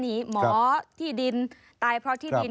ชีวิตกระมวลวิสิทธิ์สุภาณีขวดชภัณฑ์